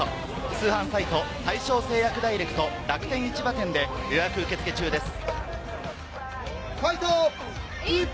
通販サイト「大正製薬ダイレクト楽天市場店」で予約受付中です。